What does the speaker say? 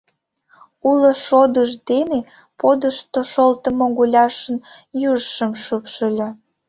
Уло шодыж дене подышто шолтымо гуляшын южшым шупшыльо.